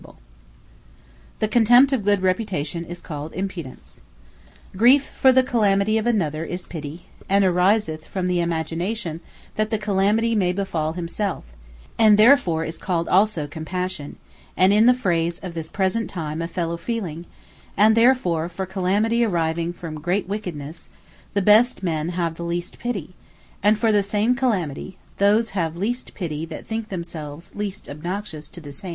Impudence The Contempt of good reputation is called IMPUDENCE. Pitty Griefe, for the calamity of another is PITTY; and ariseth from the imagination that the like calamity may befall himselfe; and therefore is called also COMPASSION, and in the phrase of this present time a FELLOW FEELING: and therefore for Calamity arriving from great wickedness, the best men have the least Pitty; and for the same Calamity, those have least Pitty, that think themselves least obnoxious to the same.